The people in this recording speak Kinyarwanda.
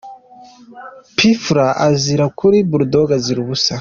P Fla azira ukuri ,Bulldogg azira ubusa ,.